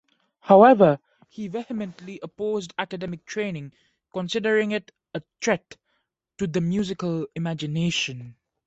However, he vehemently opposed academic training, considering it a threat to the musical imagination.